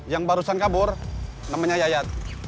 yang barusan kabur namanya yayat